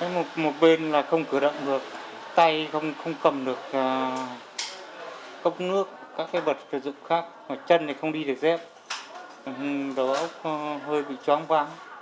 em không cầm được cốc nước các bật thực dụng khác chân không đi được dép đầu óc hơi bị troang váng